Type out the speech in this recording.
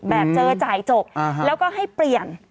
เจอจ่ายจบแล้วก็ให้เปลี่ยน